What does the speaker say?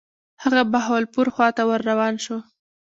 هغه بهاولپور خواته ور روان شو.